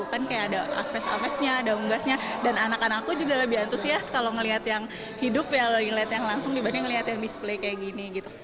kan kayak ada aves avesnya daung gasnya dan anak anakku juga lebih antusias kalau melihat yang hidup ya lebih melihat yang langsung dibanding melihat yang display kayak gini gitu